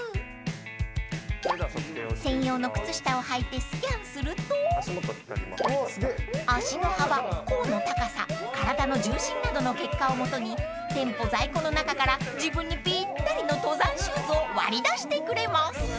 ［専用の靴下をはいてスキャンすると足の幅甲の高さ体の重心などの結果を基に店舗在庫の中から自分にぴったりの登山シューズを割り出してくれます］